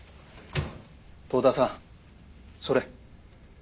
遠田さんそれ。